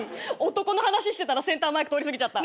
男の話してたらセンターマイク通り過ぎちゃった。